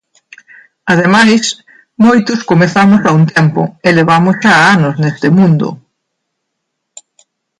Ademais, moitos comezamos a un tempo e levamos xa anos neste mundo.